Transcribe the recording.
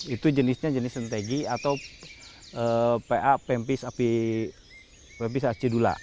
itu jenisnya jenis sentegi atau pa pempis api pempis acidula